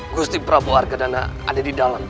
gusti prabu argadana ada di dalam